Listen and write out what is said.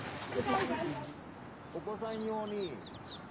お子さん用に。